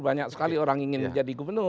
banyak sekali orang ingin jadi gubernur